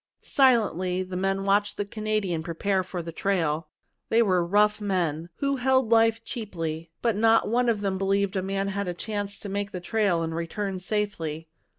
Silently the men watched the Canadian prepare for the trail. They were rough men, who held life cheaply, but not one of them believed a man had a chance to make the trail and return safely.